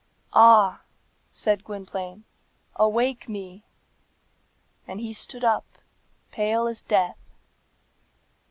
"Ah," said Gwynplaine, "awake me!" And he stood up, pale as death.